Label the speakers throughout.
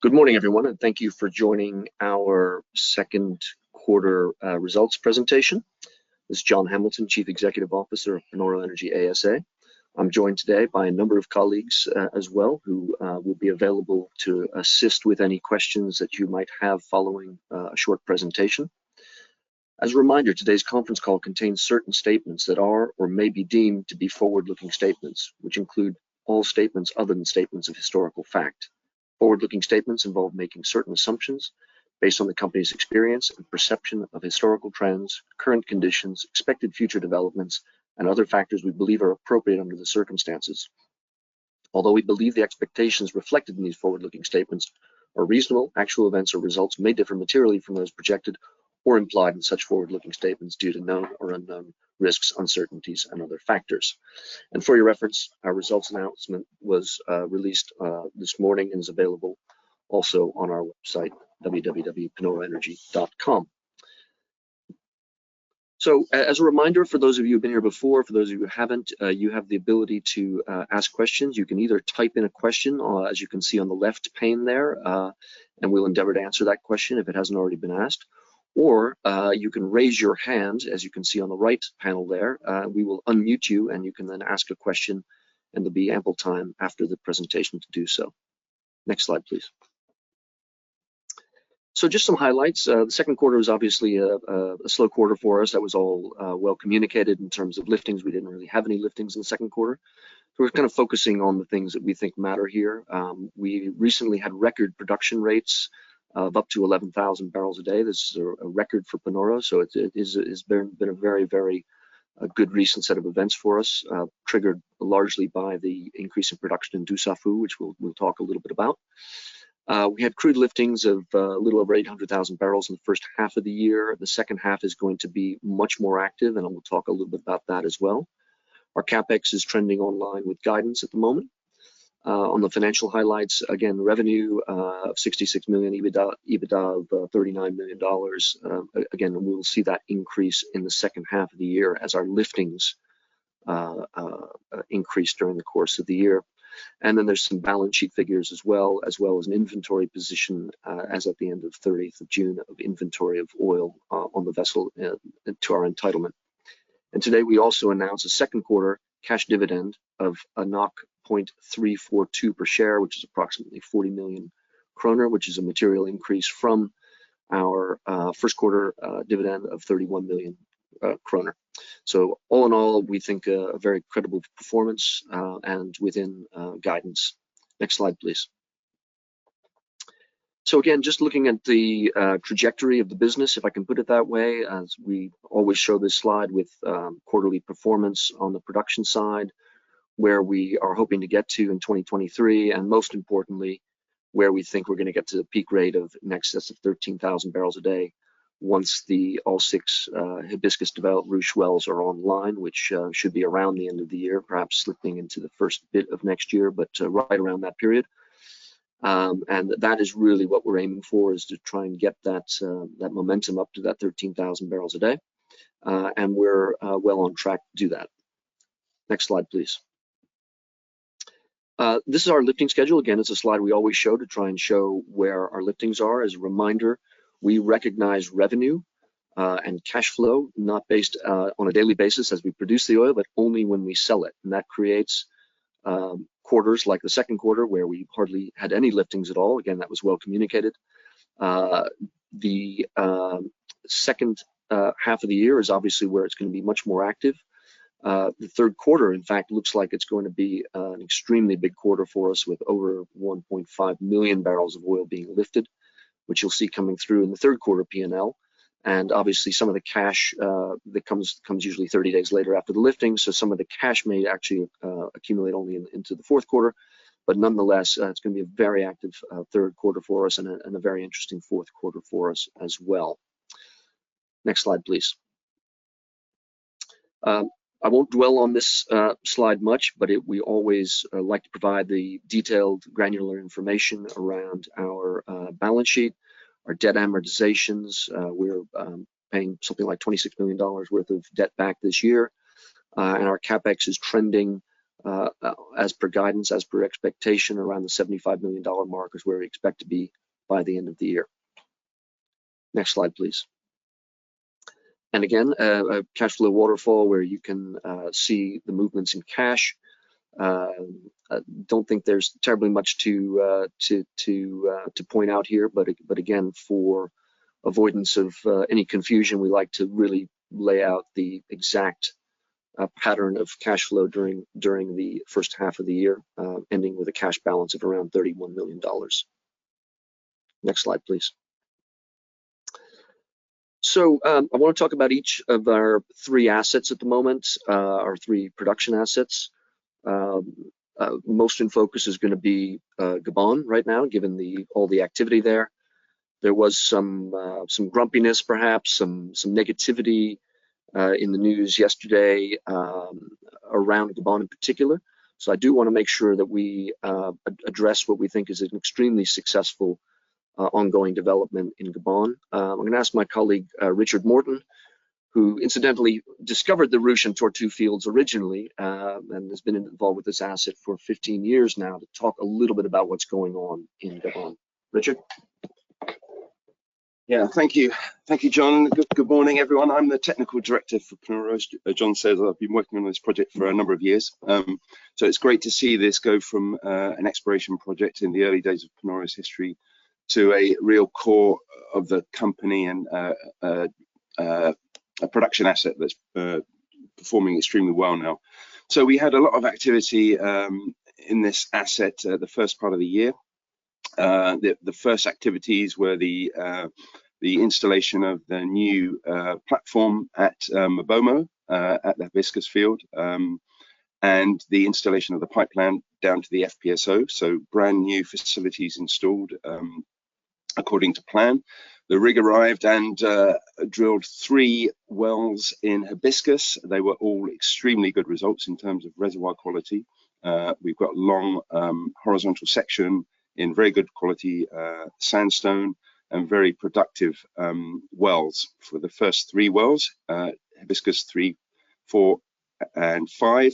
Speaker 1: Good morning, everyone, and thank you for joining our Q2 results presentation. This is John Hamilton, Chief Executive Officer of Panoro Energy ASA. I'm joined today by a number of colleagues, as well, who will be available to assist with any questions that you might have following a short presentation. As a reminder, today's conference call contains certain statements that are or may be deemed to be forward-looking statements, which include all statements other than statements of historical fact. Forward-looking statements involve making certain assumptions based on the company's experience and perception of historical trends, current conditions, expected future developments, and other factors we believe are appropriate under the circumstances. Although we believe the expectations reflected in these forward-looking statements are reasonable, actual events or results may differ materially from those projected or implied in such forward-looking statements due to known or unknown risks, uncertainties, and other factors. For your reference, our results announcement was released this morning and is available also on our website, www.panoroenergy.com. As a reminder, for those of you who've been here before, for those of you who haven't, you have the ability to ask questions. You can either type in a question, or as you can see on the left pane there, and we'll endeavor to answer that question if it hasn't already been asked, or you can raise your hand, as you can see on the right panel there. We will unmute you, and you can then ask a question, and there'll be ample time after the presentation to do so. Next slide, please. So just some highlights. The Q2 was obviously a slow quarter for us. That was all well communicated in terms of liftings. We didn't really have any liftings in the Q2, so we're kind of focusing on the things that we think matter here. We recently had record production rates of up to 11,000 barrels a day. This is a record for Panoro, so it is, it has been a very good recent set of events for us, triggered largely by the increase in production in Dussafu, which we'll talk a little bit about. We had crude liftings of a little over 800,000 barrels in the first half of the year. The second half is going to be much more active, and I will talk a little bit about that as well. Our CapEx is trending on line with guidance at the moment. On the financial highlights, again, revenue of $66 million, EBITDA, EBITDA of $39 million. Again, and we will see that increase in the second half of the year as our liftings increase during the course of the year. And then there's some balance sheet figures as well, as well as an inventory position, as at the end of 30th of June, of inventory of oil on the vessel to our entitlement. Today, we also announced a Q2 cash dividend of 0.342 per share, which is approximately 40 million kroner, which is a material increase from our Q1 dividend of 31 million kroner. So all in all, we think a very credible performance and within guidance. Next slide, please. So again, just looking at the trajectory of the business, if I can put it that way, as we always show this slide with quarterly performance on the production side, where we are hoping to get to in 2023, and most importantly, where we think we're going to get to the peak rate of in excess of 13,000 barrels a day once the all six Hibiscus-developed Ruche wells are online, which should be around the end of the year, perhaps slipping into the first bit of next year, but right around that period. And that is really what we're aiming for, is to try and get that momentum up to that 13,000 barrels a day. And we're well on track to do that. Next slide, please. This is our lifting schedule. Again, it's a slide we always show to try and show where our liftings are. As a reminder, we recognize revenue, and cash flow, not based on a daily basis as we produce the oil, but only when we sell it. And that creates quarters like the Q3, where we hardly had any liftings at all. Again, that was well communicated. The second half of the year is obviously where it's going to be much more active. The Q3, in fact, looks like it's going to be an extremely big quarter for us, with over 1.5 million barrels of oil being lifted, which you'll see coming through in the Q3 P&L. Obviously, some of the cash that comes usually thirty days later after the lifting, so some of the cash may actually accumulate only into the Q4. But nonetheless, it's going to be a very active Q4 for us and a very interesting Q4 for us as well. Next slide, please. I won't dwell on this slide much, but it. We always like to provide the detailed, granular information around our balance sheet, our debt amortizations. We're paying something like $26 million worth of debt back this year, and our CapEx is trending as per guidance, as per expectation, around the $75 million mark is where we expect to be by the end of the year. Next slide, please. Again, a cash flow waterfall where you can see the movements in cash. I don't think there's terribly much to point out here, but again, for avoidance of any confusion, we like to really lay out the exact pattern of cash flow during the first half of the year, ending with a cash balance of around $31 million. Next slide, please. So, I want to talk about each of our three assets at the moment, our three production assets. Most in focus is going to be Gabon right now, given all the activity there. There was some grumpiness, perhaps some negativity, in the news yesterday, around Gabon in particular. So I do want to make sure that we address what we think is an extremely successful ongoing development in Gabon. I'm gonna ask my colleague, Richard Morton, who incidentally discovered the Ruche and Tortue fields originally, and has been involved with this asset for 15 years now, to talk a little bit about what's going on in Gabon. Richard?
Speaker 2: Yeah, thank you. Thank you, John. Good morning, everyone. I'm the Technical Director for Panoro. As John said, I've been working on this project for a number of years. So it's great to see this go from an exploration project in the early days of Panoro's history to a real core of the company and a production asset that's performing extremely well now. So we had a lot of activity in this asset the first part of the year. The first activities were the installation of the new platform at MaBoMo at the Hibiscus field and the installation of the pipeline down to the FPSO. So brand-new facilities installed according to plan. The rig arrived and drilled three wells in Hibiscus. They were all extremely good results in terms of reservoir quality. We've got long, horizontal section in very good quality, sandstone and very productive, wells for the first three wells, Hibiscus three, four, and five.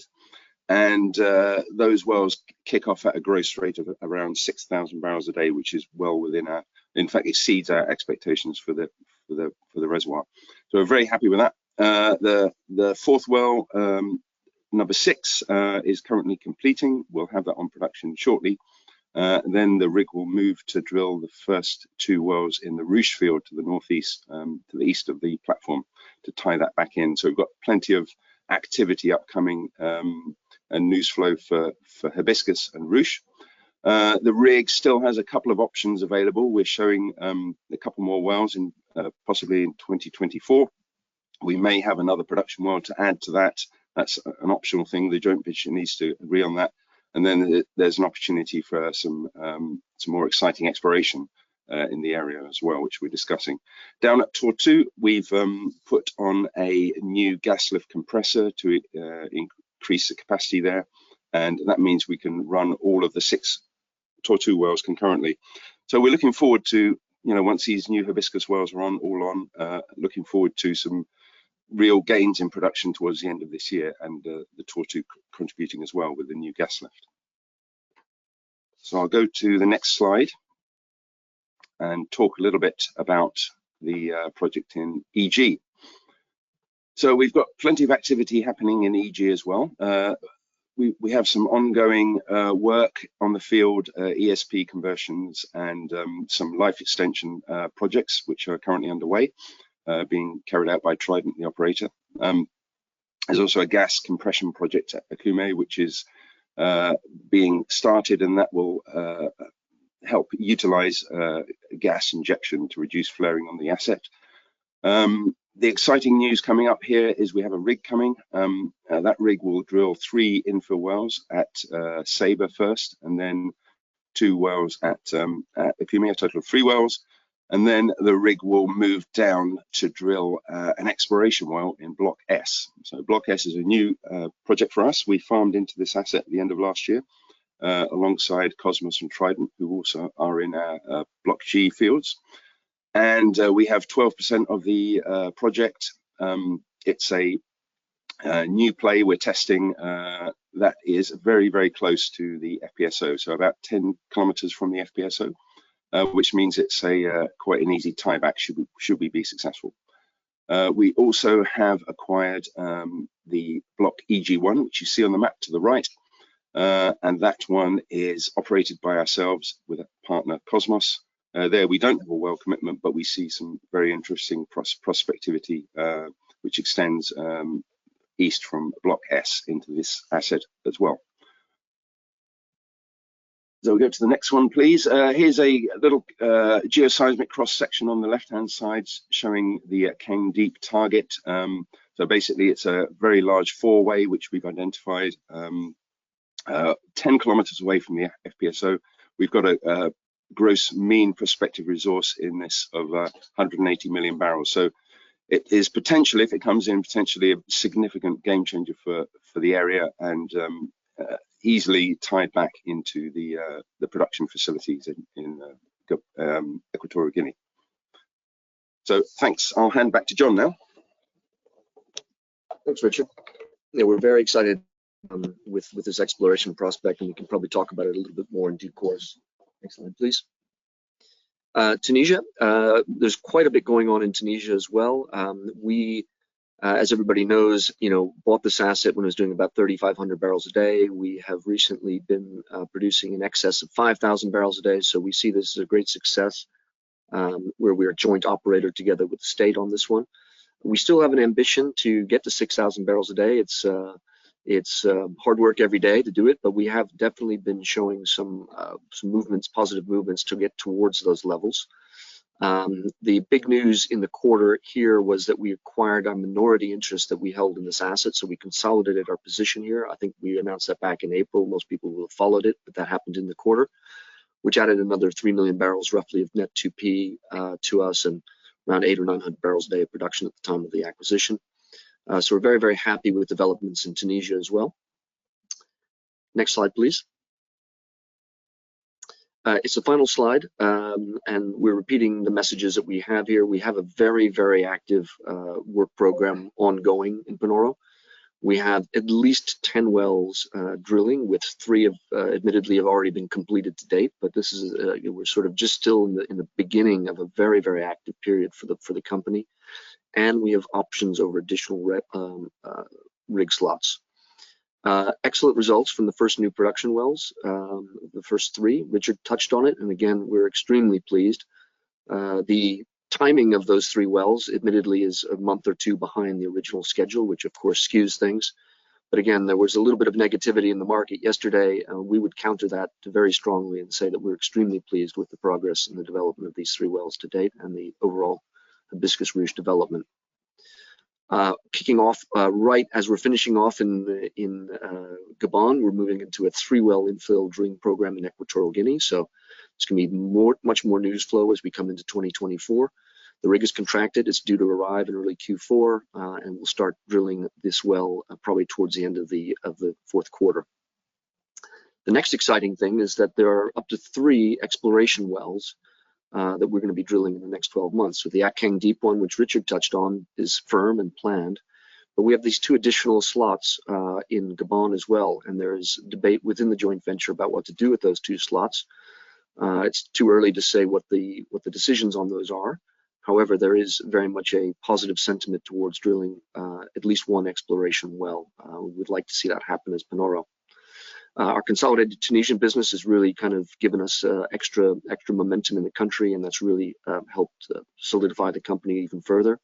Speaker 2: Those wells kick off at a gross rate of around 6,000 barrels a day, which is well within our... In fact, it exceeds our expectations for the reservoir. So we're very happy with that. The fourth well, number six, is currently completing. We'll have that on production shortly. Then the rig will move to drill the first two wells in the Ruche field to the northeast, to the east of the platform, to tie that back in. So we've got plenty of activity upcoming, and news flow for Hibiscus and Ruche. The rig still has a couple of options available. We're showing a couple more wells possibly in 2024. We may have another production well to add to that. That's an optional thing. The joint venture needs to agree on that, and then there's an opportunity for some more exciting exploration in the area as well, which we're discussing. Down at Tortue, we've put on a new Gas Lift compressor to increase the capacity there, and that means we can run all of the six Tortue wells concurrently. So we're looking forward to, you know, once these new Hibiscus wells are on, all on, looking forward to some real gains in production towards the end of this year and the Tortue contributing as well with the new Gas Lift. So I'll go to the next slide and talk a little bit about the project in EG. So we've got plenty of activity happening in EG as well. We have some ongoing work on the field, ESP conversions and some life extension projects which are currently underway, being carried out by Trident, the operator. There's also a gas compression project at Okume, which is being started, and that will help utilize gas injection to reduce flaring on the asset. The exciting news coming up here is we have a rig coming. That rig will drill three infill wells at Ceiba first, and then two wells at Okume, a total of three wells, and then the rig will move down to drill an exploration well in Block S. So Block S is a new project for us. We farmed into this asset at the end of last year, alongside Kosmos and Trident, who also are in our Block G fields, and we have 12% of the project. It's a new play we're testing that is very, very close to the FPSO, so about 10 kilometers from the FPSO, which means it's quite an easy tieback should we be successful. We also have acquired the Block EG-1, which you see on the map to the right, and that one is operated by ourselves with our partner, Kosmos. There we don't have a well commitment, but we see some very interesting prospectivity, which extends east from Block S into this asset as well. So go to the next one, please. Here's a little seismic cross-section on the left-hand side, showing the Akeng Deep target. So basically, it's a very large four-way, which we've identified 10 kilometers away from the FPSO. We've got a gross mean prospective resource in this of 180 million barrels. So it is potentially, if it comes in, potentially a significant game changer for the area and easily tied back into the production facilities in Equatorial Guinea. So thanks. I'll hand back to John now.
Speaker 1: Thanks, Richard. Yeah, we're very excited with this exploration prospect, and we can probably talk about it a little bit more in due course. Next slide, please. Tunisia, there's quite a bit going on in Tunisia as well. We, as everybody knows, you know, bought this asset when it was doing about 3,500 barrels a day. We have recently been producing in excess of 5,000 barrels a day, so we see this as a great success, where we are joint operator together with the state on this one. We still have an ambition to get to 6,000 barrels a day. It's hard work every day to do it, but we have definitely been showing some movements, positive movements, to get towards those levels. The big news in the quarter here was that we acquired a minority interest that we held in this asset, so we consolidated our position here. I think we announced that back in April. Most people will have followed it, but that happened in the quarter, which added another 3 million barrels, roughly of net 2P, to us, and around 800 or 900 barrels a day of production at the time of the acquisition. So we're very, very happy with developments in Tunisia as well. Next slide, please. It's the final slide, and we're repeating the messages that we have here. We have a very, very active work program ongoing in Panoro. We have at least 10 wells drilling, with 3 of, admittedly, have already been completed to date. But this is, we're sort of just still in the beginning of a very, very active period for the company, and we have options over additional rig slots. Excellent results from the first new production wells. The first three, Richard touched on it, and again, we're extremely pleased. The timing of those three wells, admittedly, is a month or two behind the original schedule, which of course, skews things. But again, there was a little bit of negativity in the market yesterday, and we would counter that very strongly and say that we're extremely pleased with the progress and the development of these three wells to date and the overall Hibiscus Ruche development. Kicking off, right as we're finishing off in the in Gabon, we're moving into a three-well infill drilling program in Equatorial Guinea, so it's going to be more, much more news flow as we come into 2024. The rig is contracted. It's due to arrive in early Q4, and we'll start drilling this well, probably towards the end of the Q4. The next exciting thing is that there are up to three exploration wells that we're going to be drilling in the next 12 months. So the Akeng Deep one, which Richard touched on, is firm and planned, but we have these two additional slots in Gabon as well, and there is debate within the joint venture about what to do with those two slots. It's too early to say what the decisions on those are. However, there is very much a positive sentiment towards drilling at least one exploration well. We'd like to see that happen as Panoro. Our consolidated Tunisian business has really kind of given us extra, extra momentum in the country, and that's really helped solidify the company even further.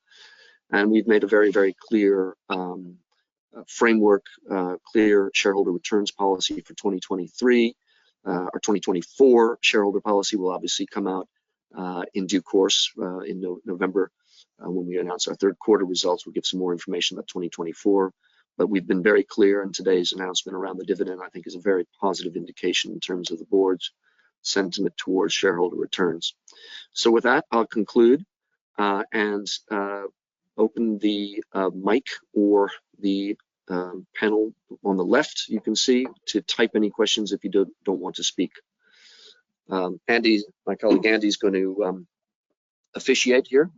Speaker 1: We've made a very, very clear framework clear shareholder returns policy for 2023. Our 2024 shareholder policy will obviously come out in due course in November when we announce our Q3 results. We'll give some more information about 2024, but we've been very clear, and today's announcement around the dividend, I think is a very positive indication in terms of the board's sentiment towards shareholder returns. So with that, I'll conclude and open the mic or the panel on the left, you can see, to type any questions if you don't want to speak. Andy, my colleague Andy's going to officiate here.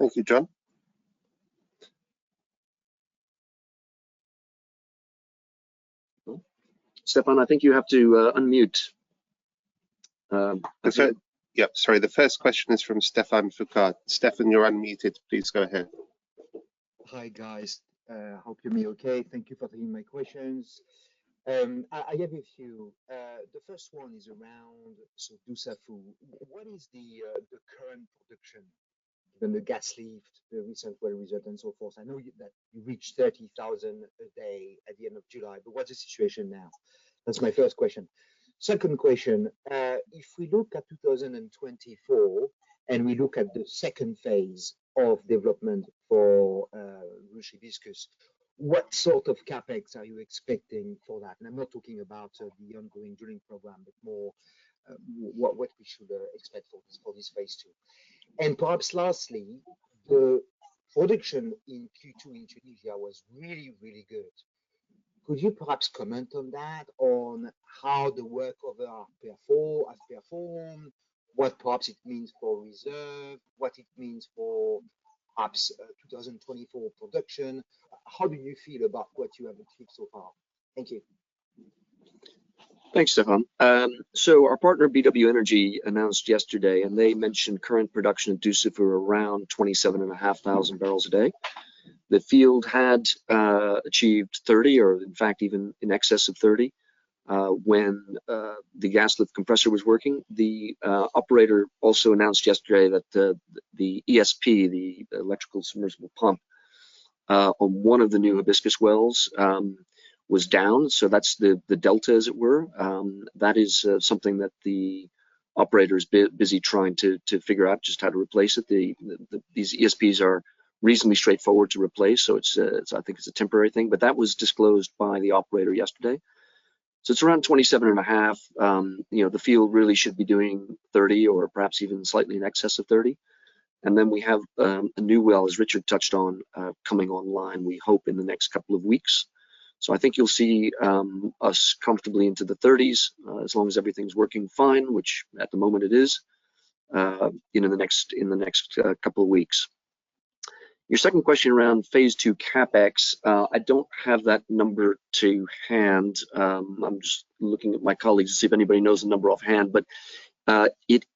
Speaker 3: Thank you, John.
Speaker 1: Stefan, I think you have to unmute.
Speaker 3: Yeah, sorry. The first question is from Stephane Foucaud. Stephen, you're unmuted. Please go ahead.
Speaker 4: Hi, guys. Hope you're all okay. Thank you for taking my questions. I have a few. The first one is around Dussafu. What is the current production, given the gas lift, the recent well result, and so forth? I know that you reached 30,000 a day at the end of July, but what's the situation now? That's my first question. Second question, if we look at 2024, and we look at the second phase of development for Ruche Hibiscus, what sort of CapEx are you expecting for that? And I'm not talking about the ongoing drilling program, but more what we should expect for this phase two. And perhaps lastly, the production in Q2 in Tunisia was really, really good. Could you perhaps comment on that, on how the workover ha performed, has performed, what perhaps it means for reserve, what it means for perhaps, 2024 production? How do you feel about what you have achieved so far? Thank you.
Speaker 1: Thanks, Stefan. So our partner, BW Energy, announced yesterday, and they mentioned current production at Dussafu are around 27.5 thousand barrels a day. The field had achieved 30, or in fact, even in excess of 30, when the gas lift compressor was working. The operator also announced yesterday that the ESP, the Electrical Submersible Pump, on one of the new Hibiscus wells, was down, so that's the delta, as it were. That is something that the operator's busy trying to figure out just how to replace it. These ESPs are reasonably straightforward to replace, so it's, I think it's a temporary thing, but that was disclosed by the operator yesterday. So it's around 27.5. You know, the field really should be doing 30 or perhaps even slightly in excess of 30. And then we have a new well, as Richard touched on, coming online, we hope, in the next couple of weeks. So I think you'll see us comfortably into the 30s, as long as everything's working fine, which at the moment it is, you know, in the next couple of weeks. Your second question around phase two CapEx, I don't have that number to hand. I'm just looking at my colleagues to see if anybody knows the number offhand, but it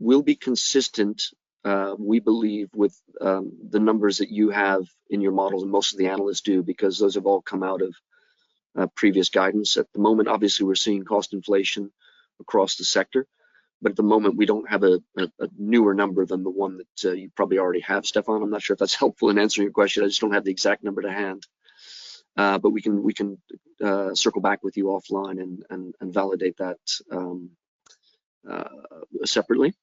Speaker 1: will be consistent, we believe, with the numbers that you have in your models, and most of the analysts do, because those have all come out of previous guidance. At the moment, obviously, we're seeing cost inflation across the sector, but at the moment, we don't have a newer number than the one that you probably already have, Stefan. I'm not sure if that's helpful in answering your question. I just don't have the exact number to hand. But we can circle back with you offline and validate that separately.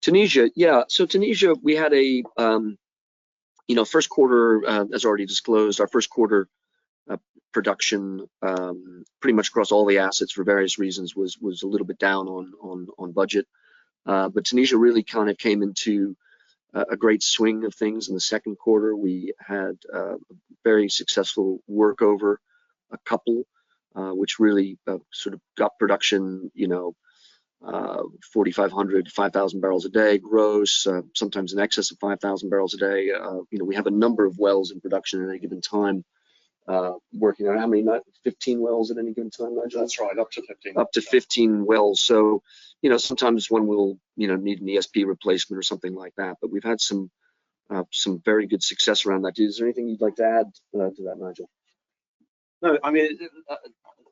Speaker 1: Tunisia, yeah. So Tunisia, we had You know, Q1, as already disclosed, our Q1 production pretty much across all the assets for various reasons, was a little bit down on budget. But Tunisia really kind of came into a great swing of things in the Q2. We had a very successful workover, a couple, which really sort of got production, you know, 4,500-5,000 barrels a day gross, sometimes in excess of 5,000 barrels a day. You know, we have a number of wells in production at any given time, working on how many? Fifteen wells at any given time, Nigel?
Speaker 5: That's right, up to 15.
Speaker 1: Up to 15 wells. So, you know, sometimes one will, you know, need an ESP replacement or something like that. But we've had some very good success around that. Is there anything you'd like to add to that, Nigel?
Speaker 5: No. I mean,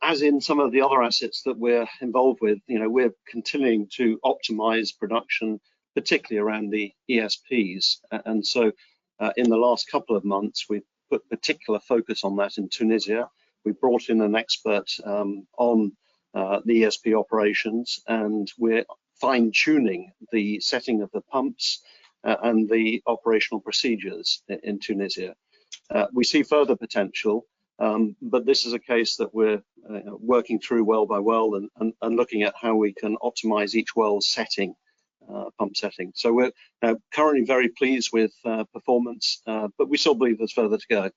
Speaker 5: as in some of the other assets that we're involved with, you know, we're continuing to optimize production, particularly around the ESPs. And so, in the last couple of months, we've put particular focus on that in Tunisia. We brought in an expert on the ESP operations, and we're fine-tuning the setting of the pumps and the operational procedures in Tunisia. We see further potential, but this is a case that we're working through well by well, and looking at how we can optimize each well's setting, pump setting. So we're currently very pleased with performance, but we still believe there's further to go.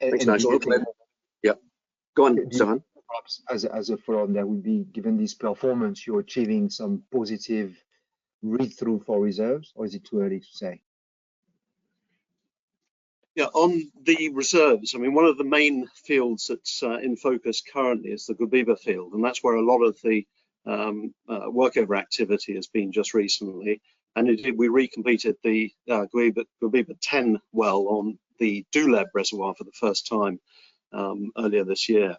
Speaker 1: Thanks, Nigel.
Speaker 4: And-
Speaker 1: Yeah, go on, Simon.
Speaker 4: Perhaps as a follow-on that would be, given this performance, you're achieving some positive read-through for reserves, or is it too early to say?
Speaker 5: Yeah, on the reserves, I mean, one of the main fields that's in focus currently is the Guebiba field, and that's where a lot of the workover activity has been just recently. And indeed, we recompleted the Guebiba-10 well on the Guebiba Reservoir for the first time earlier this year.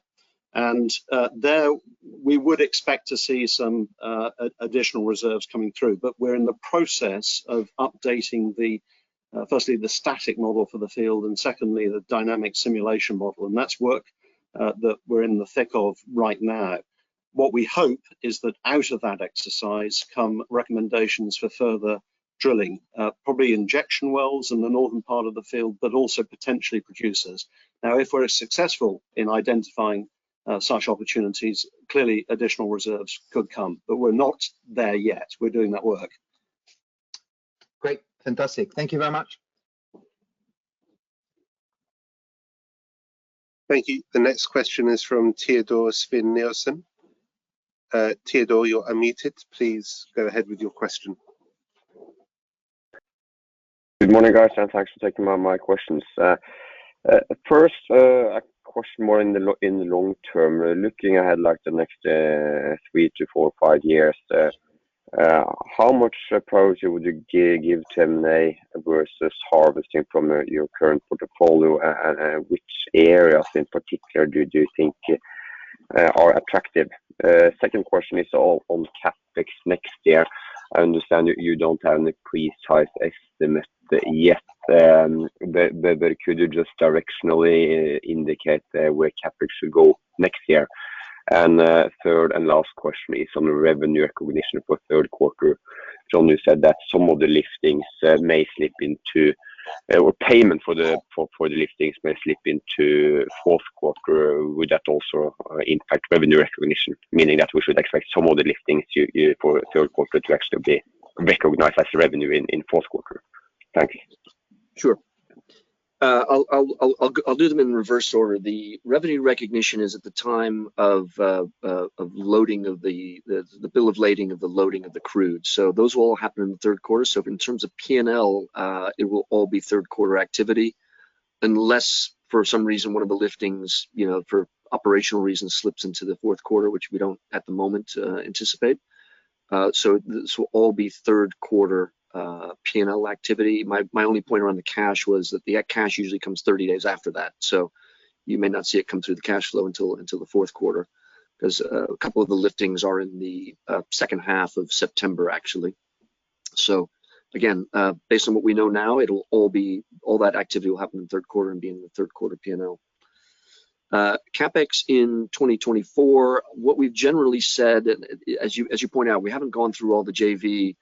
Speaker 5: And there we would expect to see some additional reserves coming through. But we're in the process of updating firstly the static model for the field, and secondly the dynamic simulation model, and that's work that we're in the thick of right now. What we hope is that out of that exercise come recommendations for further drilling, probably injection wells in the northern part of the field, but also potentially producers. Now, if we're successful in identifying such opportunities, clearly additional reserves could come, but we're not there yet. We're doing that work.
Speaker 4: Great. Fantastic. Thank you very much.
Speaker 3: Thank you. The next question is from Teodor Sveen-Nilsen. Teodor, you're unmuted. Please go ahead with your question.
Speaker 6: Good morning, guys, and thanks for taking my questions. First, a question more in the long term. Looking ahead, like the next 3-5 years, how much priority would you give M&A versus harvesting from your current portfolio, and which areas in particular do you think are attractive? Second question is on CapEx next year. I understand you don't have any precise estimate yet, but could you just directionally indicate where CapEx should go next year? And third and last question is on the revenue recognition for Q3. John, you said that some of the liftings may slip into, or payment for the liftings may slip into Q4. Would that also impact revenue recognition, meaning that we should expect some of the liftings for Q3 to actually be recognized as revenue in Q4? Thank you.
Speaker 1: Sure. I'll do them in reverse order. The revenue recognition is at the time of loading of the bill of lading of the loading of the crude. So those will all happen in the Q3. So in terms of P&L, it will all be Q3 activity, unless for some reason, one of the liftings, you know, for operational reasons, slips into Q3, which we don't at the moment anticipate. So this will all be third Q4 P&L activity. My only point around the cash was that the cash usually comes 30 days after that, so you may not see it come through the cash flow until the Q4, 'cause a couple of the liftings are in the second half of September, actually. So again, based on what we know now, it'll all be... all that activity will happen in the Q3 and be in the Q3 P&L. CapEx in 2024, what we've generally said, and as you point out, we haven't gone through all the JV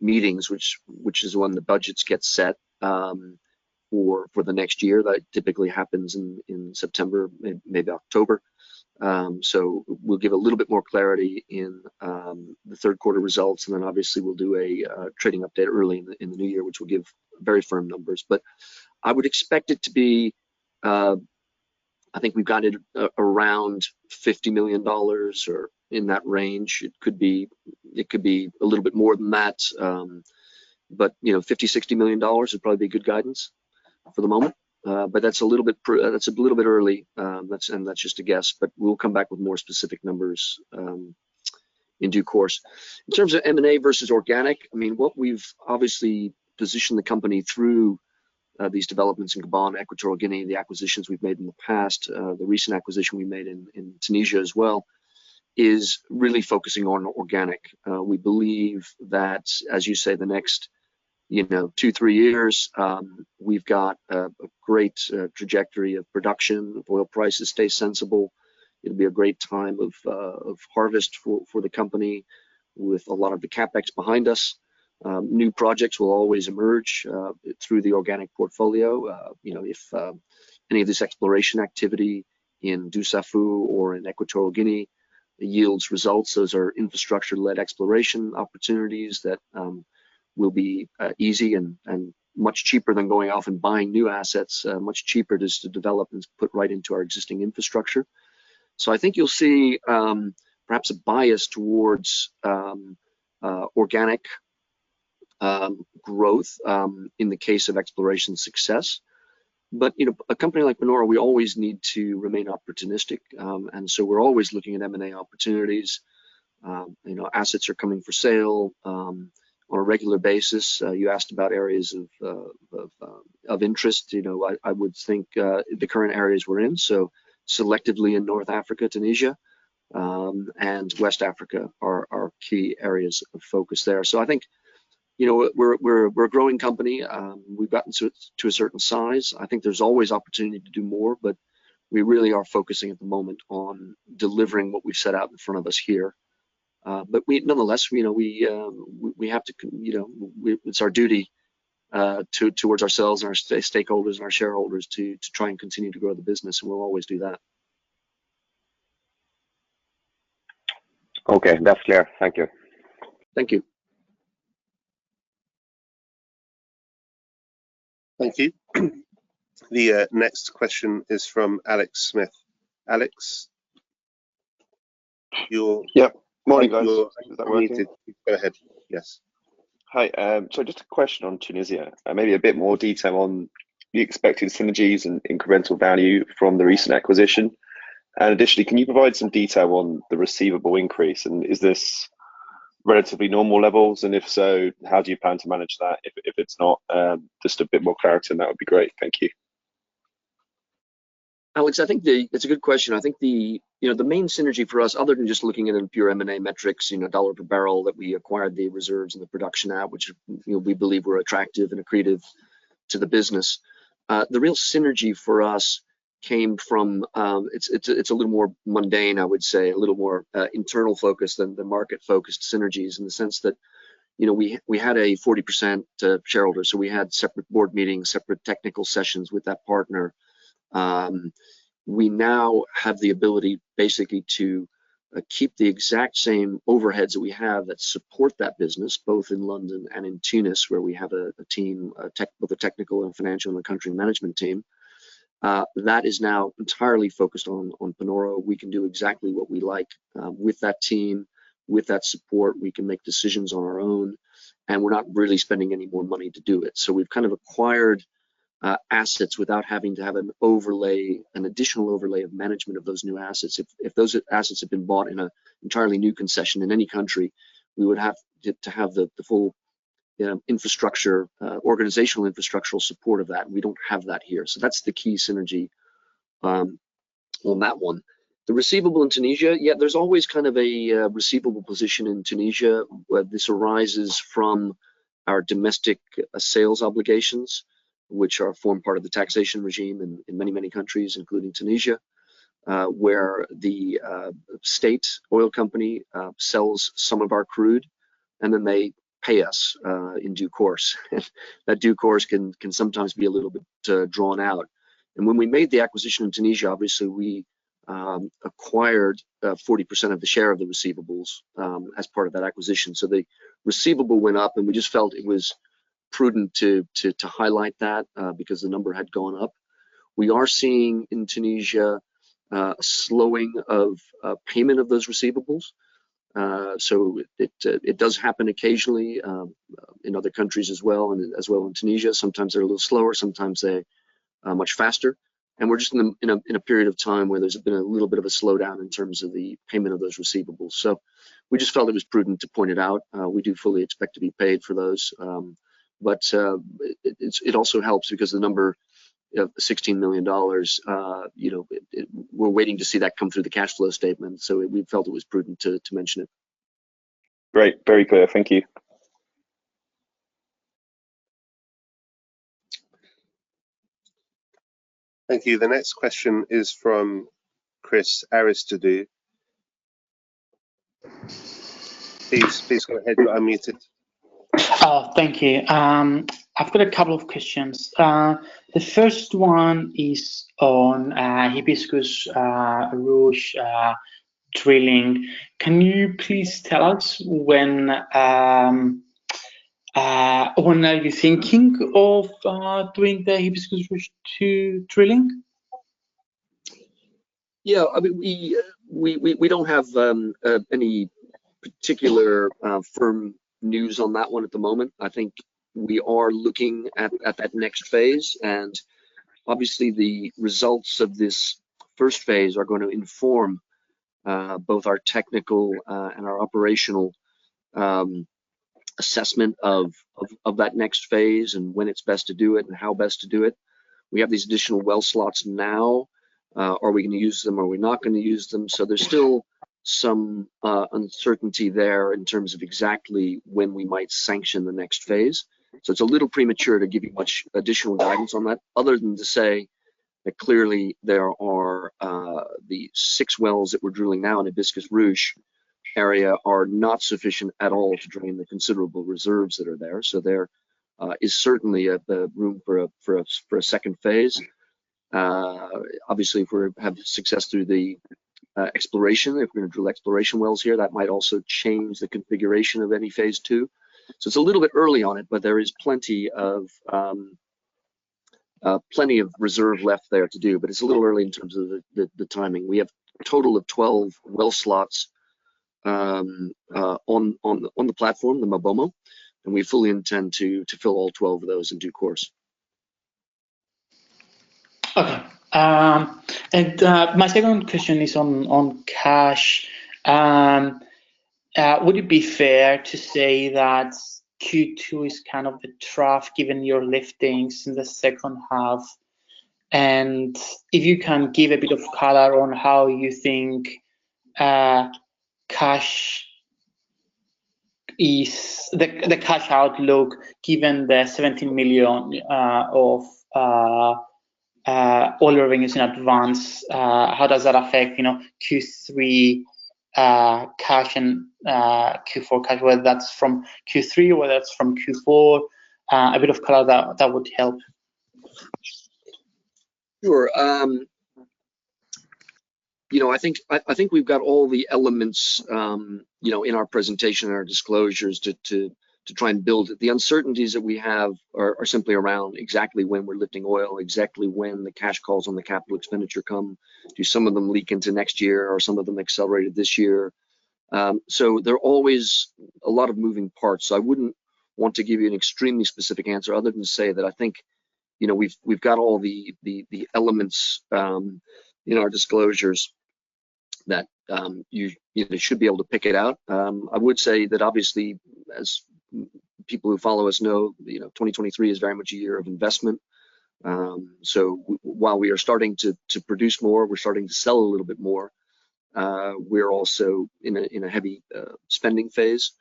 Speaker 1: meetings, which is when the budgets get set for the next year. That typically happens in September, maybe October. So we'll give a little bit more clarity in the Q3 results, and then obviously we'll do a trading update early in the new year, which will give very firm numbers. But I would expect it to be, I think we've guided around $50 million or in that range. It could be a little bit more than that, but, you know, $50-$60 million would probably be good guidance for the moment. But that's a little bit early, and that's just a guess, but we'll come back with more specific numbers in due course. In terms of M&A versus organic, I mean, what we've obviously positioned the company through these developments in Gabon, Equatorial Guinea, and the acquisitions we've made in the past, the recent acquisition we made in Tunisia as well, is really focusing on organic. We believe that, as you say, the next, you know, 2-3 years, we've got a great trajectory of production. If oil prices stay sensible, it'll be a great time of harvest for the company with a lot of the CapEx behind us. New projects will always emerge through the organic portfolio. You know, if any of this exploration activity in Dussafu or in Equatorial Guinea yields results, those are infrastructure-led exploration opportunities that will be easy and much cheaper than going off and buying new assets. Much cheaper just to develop and put right into our existing infrastructure. So I think you'll see perhaps a bias towards organic growth in the case of exploration success. But, you know, a company like Panoro, we always need to remain opportunistic. And so we're always looking at M&A opportunities. You know, assets are coming for sale on a regular basis. You asked about areas of interest. You know, I would think the current areas we're in, so selectively in North Africa, Tunisia, and West Africa are key areas of focus there. So I think, you know what? We're a growing company. We've gotten to a certain size. I think there's always opportunity to do more, but we really are focusing at the moment on delivering what we've set out in front of us here. But we... Nonetheless, you know, we have to—you know, it's our duty towards ourselves and our stakeholders and our shareholders to try and continue to grow the business, and we'll always do that.
Speaker 6: Okay, that's clear. Thank you.
Speaker 1: Thank you.
Speaker 3: Thank you. The next question is from Alex Smith. Alex, you're- Yeah. Morning, guys. You're unmuted. Go ahead. Yes.
Speaker 7: Hi. So just a question on Tunisia, and maybe a bit more detail on the expected synergies and incremental value from the recent acquisition. Additionally, can you provide some detail on the receivable increase? Is this relatively normal levels? If so, how do you plan to manage that, if it's not? Just a bit more clarity on that would be great. Thank you. Alex, I think it's a good question. I think the, you know, the main synergy for us, other than just looking at in pure M&A metrics, you know, $ per barrel, that we acquired the reserves and the production out, which, you know, we believe were attractive and accretive to the business. The real synergy for us came from, it's a little more mundane, I would say, a little more internal focused than the market-focused synergies, in the sense that, you know, we, we had a 40% shareholder, so we had separate board meetings, separate technical sessions with that partner. We now have the ability, basically, to keep the exact same overheads that we have that support that business, both in London and in Tunis, where we have a team, a technical and financial and a country management team, that is now entirely focused on Panoro. We can do exactly what we like with that team. With that support, we can make decisions on our own, and we're not really spending any more money to do it. So we've kind of acquired assets without having to have an overlay, an additional overlay of management of those new assets. If those assets have been bought in an entirely new concession in any country, we would have to have the full infrastructure, organizational infrastructural support of that. We don't have that here, so that's the key synergy on that one. The receivable in Tunisia, yeah, there's always kind of a receivable position in Tunisia, where this arises from our domestic sales obligations, which are form part of the taxation regime in many countries, including Tunisia, where the state's oil company sells some of our crude, and then they pay us in due course. That due course can sometimes be a little bit drawn out. And when we made the acquisition in Tunisia, obviously, we acquired 40% of the share of the receivables as part of that acquisition. So the receivable went up, and we just felt it was prudent to highlight that because the number had gone up. We are seeing in Tunisia, a slowing of, payment of those receivables. So it does happen occasionally, in other countries as well, and as well in Tunisia. Sometimes they're a little slower, sometimes they are much faster, and we're just in a period of time where there's been a little bit of a slowdown in terms of the payment of those receivables. So we just felt it was prudent to point it out. We do fully expect to be paid for those. But, it also helps because the number, $16 million, you know, it, it... We're waiting to see that come through the cash flow statement, so we felt it was prudent to mention it. Great. Very clear. Thank you.
Speaker 3: Thank you. The next question is from Chris Aristide. Please, please go ahead. You are unmuted.
Speaker 7: Oh, thank you. I've got a couple of questions. The first one is on Hibiscus Ruche drilling. Can you please tell us when are you thinking of doing the Hibiscus Ruche-2 drilling?
Speaker 1: Yeah, I mean, we don't have any particular firm news on that one at the moment. I think we are looking at that next phase, and obviously, the results of this first phase are going to inform both our technical and our operational assessment of that next phase, and when it's best to do it and how best to do it. We have these additional well slots now. Are we gonna use them? Are we not gonna use them? So there's still some uncertainty there in terms of exactly when we might sanction the next phase. So it's a little premature to give you much additional guidance on that, other than to say-... But clearly, there are the six wells that we're drilling now in the Hibiscus Ruche area are not sufficient at all to drain the considerable reserves that are there. So there is certainly the room for a second phase. Obviously, if we have success through the exploration, if we're going to drill exploration wells here, that might also change the configuration of any phase two. So it's a little bit early on it, but there is plenty of reserve left there to do, but it's a little early in terms of the timing. We have a total of 12 well slots on the platform, the MaBoMo, and we fully intend to fill all 12 of those in due course. Okay. And my second question is on cash. Would it be fair to say that Q2 is kind of a trough, given your liftings in the second half? And if you can give a bit of color on how you think cash is... The cash outlook, given the $70 million of oil revenues in advance, how does that affect, you know, Q3 cash and Q4 cash, whether that's from Q3 or whether that's from Q4? A bit of color that would help. Sure. You know, I think we've got all the elements, you know, in our presentation and our disclosures to try and build it. The uncertainties that we have are simply around exactly when we're lifting oil, exactly when the cash calls on the capital expenditure come. Do some of them leak into next year, or are some of them accelerated this year? So there are always a lot of moving parts. So I wouldn't want to give you an extremely specific answer, other than to say that I think, you know, we've got all the elements in our disclosures that you should be able to pick it out. I would say that obviously, as people who follow us know, you know, 2023 is very much a year of investment. While we are starting to produce more, we're starting to sell a little bit more, we're also in a heavy spending phase,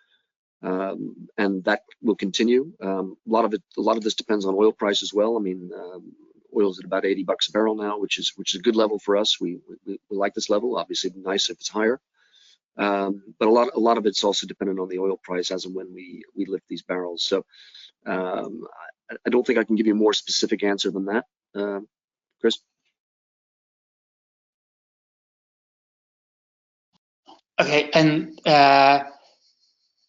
Speaker 1: and that will continue. A lot of it, a lot of this depends on oil price as well. I mean, oil's at about $80 a barrel now, which is a good level for us. We like this level. Obviously, it'd be nice if it's higher. But a lot of it's also dependent on the oil price as and when we lift these barrels. So, I don't think I can give you a more specific answer than that. Chris? Okay, and...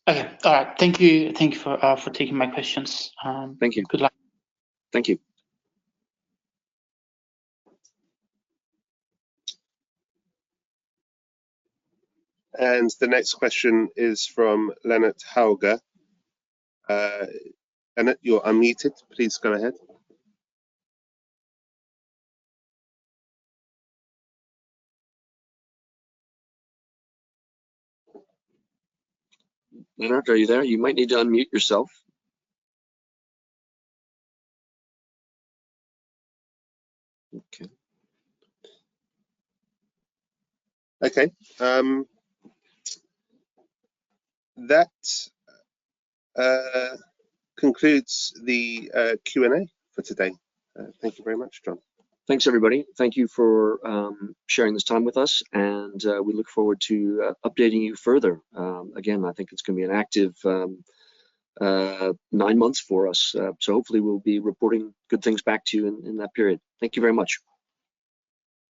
Speaker 1: Okay. All right. Thank you, thank you for, for taking my questions. Thank you. Good luck. Thank you. The next question is from Lennart Hagéus Lennart, are you there? You might need to unmute yourself.
Speaker 3: Okay. Okay, that concludes the Q&A for today. Thank you very much, John.
Speaker 1: Thanks, everybody. Thank you for sharing this time with us, and we look forward to updating you further. Again, I think it's gonna be an active nine months for us. So hopefully we'll be reporting good things back to you in that period. Thank you very much.